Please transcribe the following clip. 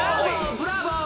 ブラボー！